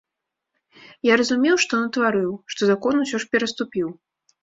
Я разумеў, што натварыў, што закон усё ж пераступіў.